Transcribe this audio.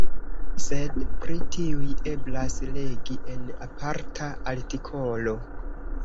Sed pri tiuj eblas legi en aparta artikolo.